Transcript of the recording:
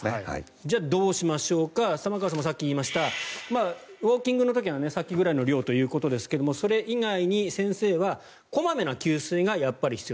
じゃあどうしましょうか玉川さんもさっき言いましたウォーキングはさっきぐらいの量ということですがそれ以外に先生は小まめな給水が必要。